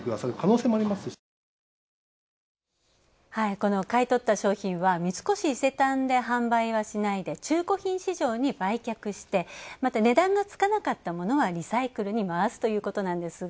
この買い取った商品は三越伊勢丹で販売はしないで中古品市場に売却して、また値段の付かなかったものはリサイクルに回すということなんですが。